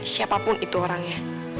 siapapun itu orangnya